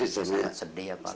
sangat sedih ya pak lalu